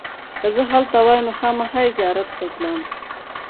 که زه هلته وای نو خامخا یې زیارت ته تلم.